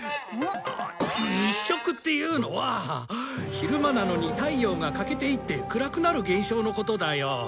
昼間なのに太陽が欠けていって暗くなる現象のことだよ。